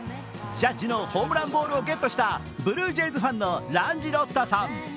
ジャッジのホームランボールをゲットしたブルージェイズファンのランジロッタさん。